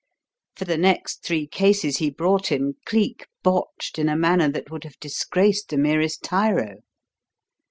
For the next three cases he brought him Cleek botched in a manner that would have disgraced the merest tyro.